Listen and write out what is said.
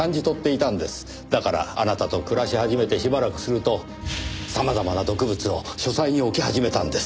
だからあなたと暮らし始めてしばらくすると様々な毒物を書斎に置き始めたんです。